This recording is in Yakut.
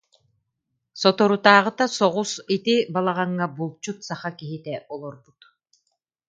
«Соторутааҕыта соҕус ити балаҕаҥҥа булчут саха киһитэ олорбут